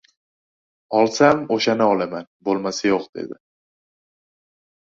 — Olsam, o‘shani olaman, bo‘lmasa yo‘q! - dedi.